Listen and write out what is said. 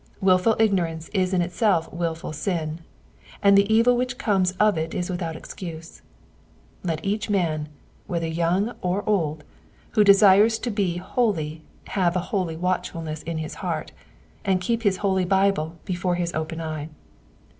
Wilful ignorance is in itself wilful sin, and the evil which comes of it is without excuse. Let each man, whether young or old, who desires to be holy have a holy watchfulness in his heart, and keep his Holy Bible before his open eye.